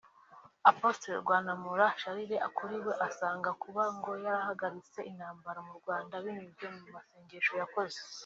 Apotre Rwandamura Charles kuri we asanga kuba ngo yarahagaritse intambara mu Rwanda binyuze mu masengesho yakoze